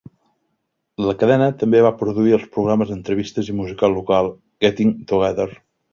La cadena també va produir el programa d'entrevistes i música local "Getting Together".